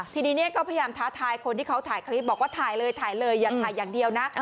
ทีนี้เนี่ยก็พยายามท้าทายคนที่เขาถ่ายคลิปบอกว่าถ่ายเลยถ่ายเลยอย่าถ่ายอย่างเดียวนะ